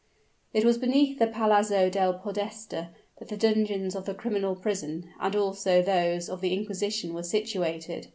It was beneath the Palazzo del Podesta that the dungeons of the criminal prison and also those of the inquisition were situated.